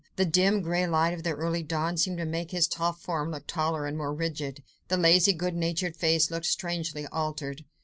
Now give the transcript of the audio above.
The dim, grey light of early dawn seemed to make his tall form look taller and more rigid. The lazy, good natured face looked strangely altered.